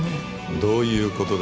どういうことだ？